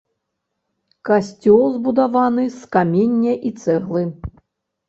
Касцёл збудаваны з каменя і цэглы.